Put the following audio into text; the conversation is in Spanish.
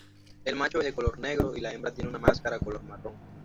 El macho es de color negro, y la hembra tiene una máscara color marrón.